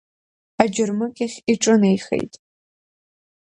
Аџьырмыкьахь иҿынеихеит.